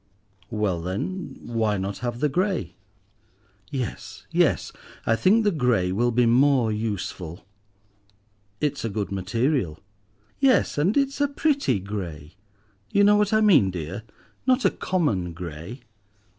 "Well then, why not have the grey?" "Yes—yes, I think the grey will be more useful." "It's a good material." "Yes, and it's a pretty grey. You know what I mean, dear; not a common grey.